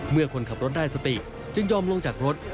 คนขับรถได้สติจึงยอมลงจากรถ